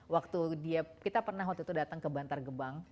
waktu dia kita pernah waktu itu datang ke bantar gebang